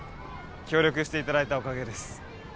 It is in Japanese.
協力していただいたおかげです。